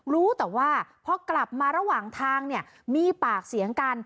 รู้แต่ว่าพอกลับมาระหว่างทางเนี่ยมีปากเสียงกัน